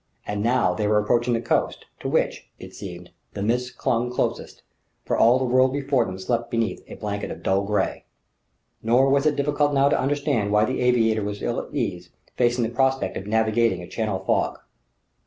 And now they were approaching the coast, to which, it seemed, the mists clung closest; for all the world before them slept beneath a blanket of dull grey. Nor was it difficult now to understand why the aviator was ill at ease facing the prospect of navigating a Channel fog.